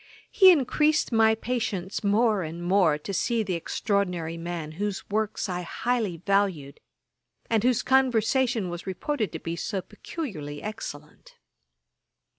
He increased my impatience more and more to see the extraordinary man whose works I highly valued, and whose conversation was reported to be so peculiarly excellent.